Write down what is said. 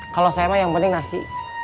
kalau saya mah yang penting nasi